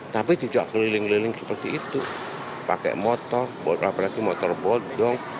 tapi juga keliling keliling seperti itu pakai motor apalagi motor bodong